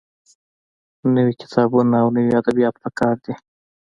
نوي کتابونه او نوي ادبيات پکار دي.